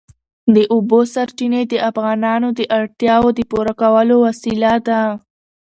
د اوبو سرچینې د افغانانو د اړتیاوو د پوره کولو وسیله ده.